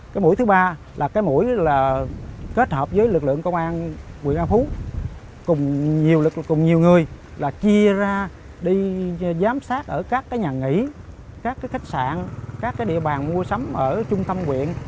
cái mũi thứ ba là cái mũi là kết hợp với lực lượng công an quyền an phú cùng nhiều người là chia ra đi giám sát ở các cái nhà nghỉ các cái khách sạn các cái địa bàn mua sắm ở trung tâm quyện